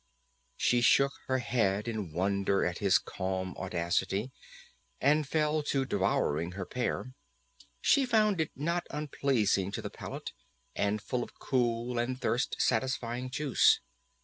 She shook her head in wonder at his calm audacity, and fell to devouring her pear. She found it not unpleasing to the palate, and full of cool and thirst satisfying juice.